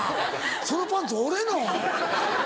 「そのパンツ俺の？」。